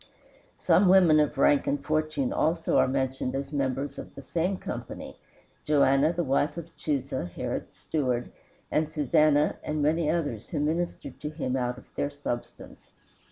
Some women of rank and fortune also are mentioned as members of the same company: "Joanna the wife of Chusa, Herod's steward, and Susanna, and many others who ministered to him of their substance."